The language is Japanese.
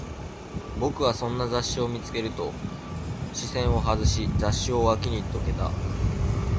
僕はそんな雑誌を見つけると、視線を外し、雑誌を脇にどけた